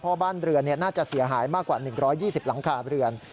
เพราะบ้านเรือนเนี้ยน่าจะเสียหายมากกว่าหนึ่งร้อยยี่สิบหลังขาเรือน